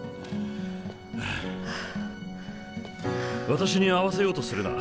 私に合わせようとするな。